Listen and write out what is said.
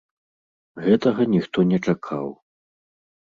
Гэтага ніхто не чакаў.